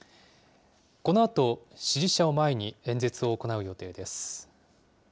このあと、支持者を前に演説を行う予定です。